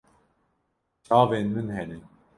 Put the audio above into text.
Çavên min hene.